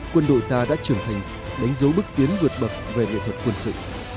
quân đội ta đã trưởng thành đánh dấu bước tiến vượt bậc về nghệ thuật quân sự